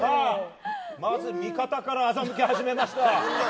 まず、味方から欺き始めました。